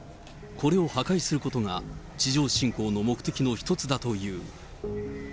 これを破壊することが、地上侵攻の目的の一つだという。